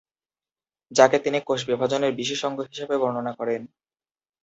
যাকে তিনি "কোষ বিভাজনের বিশেষ অঙ্গ" হিসাবে বর্ণনা করেন।